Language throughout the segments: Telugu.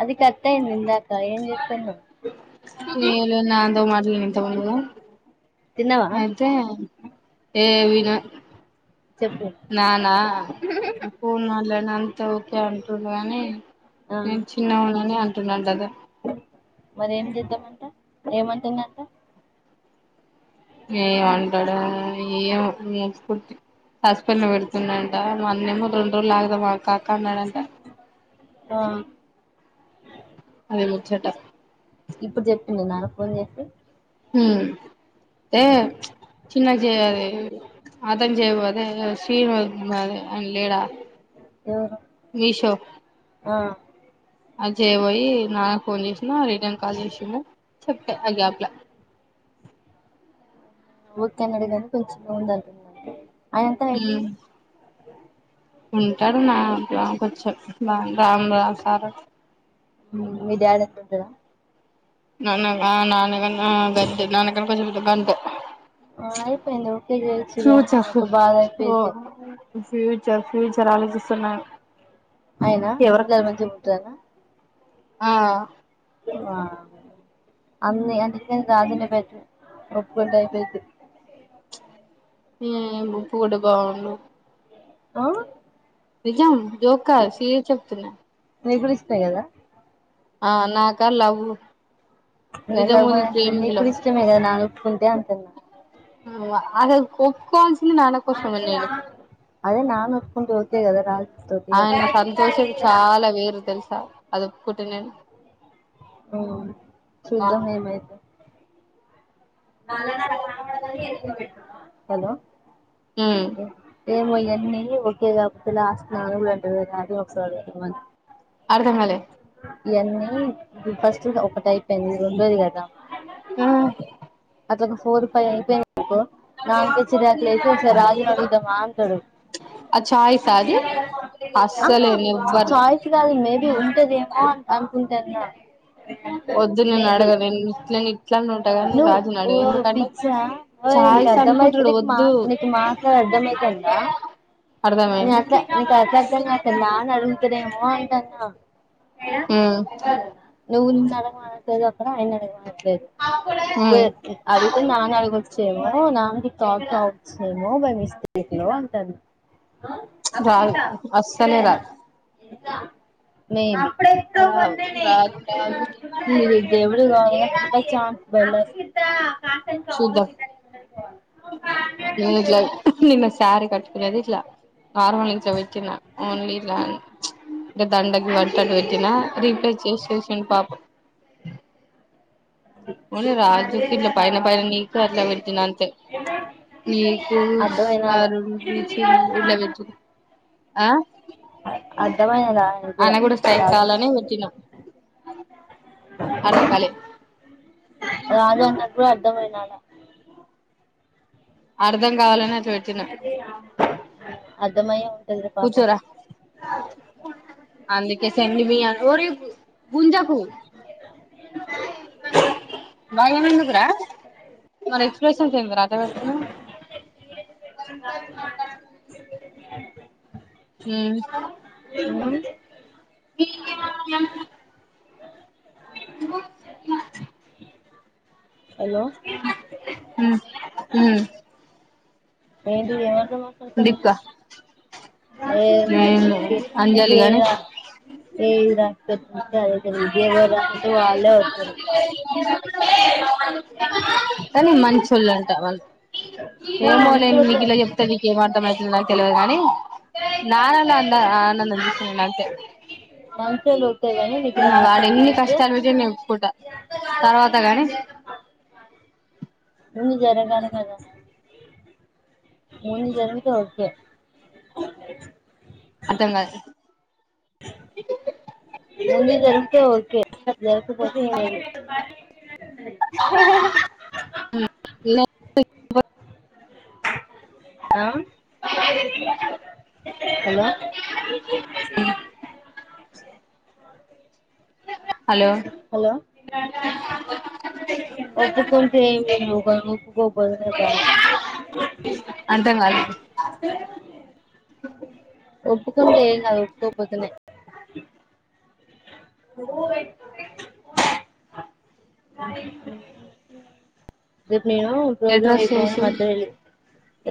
అది కత్తయింది ఇందాక కా ఏం జేస్టూన్నావ్ ఏ లే నా అంత మాటలే ననుంత ఉంద తిన్నావా అయితే ఏ విణ చెప్పు నానా ఫోన్ మాట్లాడిన అంత ఓకే అంటుండు గాని ఆ నేను చిన్న ఉన్నానే అ టునాం గదా మరి ఏం చేద్దామంట ఏమంటుందంట ఏమంటాడో ఏమో [unintelligible] సస్పెన్స్లో పెడుతుండంట మా అన్న ఏమో రెండు రోజులు ఆగుదమాగు కాక న్నడంట ఆ అది ముచ్చట ఇప్పుడు చెప్పింద నాన్నకు ఫోన్ చేసి హ్మ్ ఏ చిన్నగ చేయాలి అతను జేయపోతే శ్రీన్ దే ఆయన లేడా ఎవరు మీషో ఆ అజెయ్ పొయ్ నాకునీ ను రిటర్న్ కాల్ చేశిండు చెప్పా ఆ గ్యాప్ లా ఒకే అన్నడు గాని కొంచెమే ఉందటుందివానికి. మ్ ఉంటారు మా బ్యాంకు వచ్చె రామ్ రామ్ రామ్ సార్ మీ డాడి అంత ఉంటడా ననాగ ఆ నాన గన్ ఆ గంతే నాన్నకంటే కొంచెం గంతే ఆ అయిపోయిందో చేంజ్ చేయచ్చు గా ఫ్యూచర్ ఒక బాధ ఓ అయిపోయిద్ది. ఫ్యూచర్ ఫ్యూచర్ ఆలోచిస్తున్నా అయినా గవ్వని చెప్తారా ఆ వామ్మో! అన్ని అన్నిటికంటె రాజన్నే బెటరు ఓప్పుకుంటే అయిపోయిది. ఏమో ఒప్పు కుంటే బాగుండు ఆ నిజం జోక్ కాదు సీరియస్ చెప్తున్నా నిగూడ ఇస్తాది కదా ఆ నాకా లవ్వు లవ్ మ్యారేజ్ నీకు కూడ ఇష్టమే కదా నాన్న ఒప్పుకుంటే అంటున్న అదా అదానిక్ ఒప్కోవల్సి ది నాన్న కోసమే నేను అదే నాన్న ఒప్పుకుంటే ఒకే కదా రా ఆయన సంతోషం చాలా వేరు తెలుసా అది ఒప్పుకుంటే నేను అ శుద్ధ హ మాయితే హలో ఉమ్ ఏ [inaudible] అర్ధంకాలే ఇవన్నీ ఫస్ట్ ఒక అయిపోయింది ఉండోది కదా ఉమ్ అట్ ఒక ఫో ఫైవ్ అయి నా తెచ్చ ప్లేసె రాగినడుద్ద మా అంటాడు ఆ చాయిసా అది అస్సలే నెవ్వర్ చయిస్ కా మేబి ఉంటదేమో ఆకు తెన్నా వద్దు నేను అడగా నేను ఇట్ ఇట్ ఉంటగాని నువ్ రాజుని అడ ఓ పిచ్చా ఓ ఇకు అనుకుంటాడు అర్థమయి వద్దు మాకు మాస అర్థమయితందా న అర్థమైంది అట్లా అట్ న అ ఇదేమ అంట ఉమ్ నువ్వు ఉమ్ [unintelligible] అదితే న అడుగ చ్చేమో నాచ్చేమో బై మిస్టేక్ లో అంటారు రాల అస్సలే రాలే ఇలా రాదు రాదు రాదు చూద్దాం [inaudible] నేను ఇలా నిన్న సారీ కట్కునే అద ఇ నార్మలి ఇట్టా పెట్టు [unintelligible] అంటే దండకి వంటలు పెట్టినా రీప్లేస్ చేసి చుసిడి పాప రాజుకి ఇలా పైన పైన నీకు అట్లా పెట్టినా అంతే నీకు అ అర్థమైనాల ఇలా పెట్టి ఆ అర్థమైనదా అ నికూడా ఆయన కూడా స్ట్రైక్ రాజా కావాలని పెట్టినా అర్థం కాలే అ [unintelligible] నాదా అర్థం కావాలనే అట్ తిన్న అర్థమయ్యే ఉంటదిలే పాపం కూర్చోరా అందుకె సెండ్ మీ. ఒరేయ్ గుంజాకు భయమెందుకు రా మరీ ఎక్స్ప్రెషన్స్ ఏందిరా అట్లా పెడతానవు [inaudible] హు ఉహు [unintelligible] మ్ హలో ఊ ఏంటిది ఏమను దీపిక ఏది రాదు నేను నీకి నీకు అంజలి ఏది గాని రాదు ఏది రాదు పెద్ద పంచాయి ఎవరి దానికి వాళ్ళే వత్తరు కానీ మంచోళ్ళు అంటా వాళ్ళు కానీ ఏమోలేను నీకు మంచోళ్ళే ఇలా చెప్తేను నీకేం అర్థం అవుతుంది నాకు తెలియదు కా గాని నాన్న ల అందా ఆనందం చూసిన అంతే మంచోళ్ళు ఒత్తయ్ గాని నీకు వాడు ఎన్ని రాస్తే కష్టాలు పెట్ట నేనుకుంట తర్వాత గాని ముందు జరగాలి కదా ముందు జరుగుతే ఓకే అర్థం కావట్లే [inaudible] ముందుకెళ్తే ఓకే ఓకే జరగకపోతే ఏం చేయలేం హి హి హి హి [inaudible] ఆ ఏదీ హలో [inaudible] స హలో హలో ఒప్పు కుంటే ఎం లేదు ఒప్పుకోకాపోతే బాధ అర్థం కాలే [inaudible] ఒప్పుకుంటే ఏం కాదు పోక పోతనే [unintelligible] మేము ఎటు పోగ్రామ్ డ్రెస్ అయిపోకానే ఏసిర్రు మధ్యలో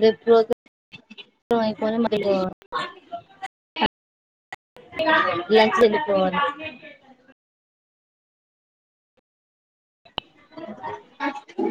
రేపు పోగ్రాం ఆయిపోలే మరోలో లంచ్ ఇంక ఫోన్ [unintelligible] [unintelligible]